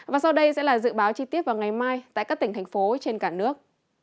và sau đây sẽ là dự báo chi tiết vào ngày mai tại các tỉnh thành phố trên cả nước